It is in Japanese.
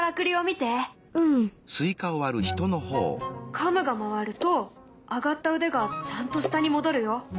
カムが回ると上がった腕がちゃんと下に戻るよ。